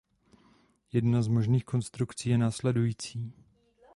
Jedna z možných konstrukcí je následující.